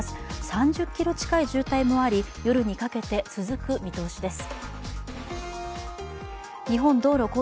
３０ｋｍ近い渋滞もあり、夜にかけて続く見通しです。